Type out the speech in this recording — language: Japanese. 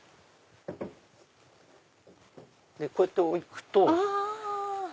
こうやって置くと。